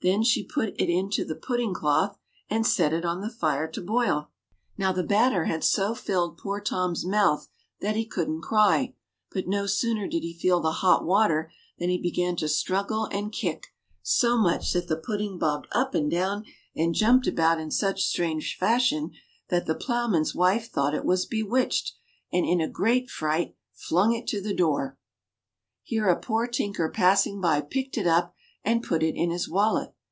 Then she put it into the pudding cloth and set it on the fire to boil. Now the batter had so filled poor Tom's mouth that he couldn't cry ; but no sooner did he feel the hot water than he began to struggle and kick so much that the pudding bobbed up and down and jumped about in such strange fashion that the ploughman's wife thought it was bewitched, and in a great fright flung it to the door. Here a poor tinker passing by picked it up and put it in his wallet.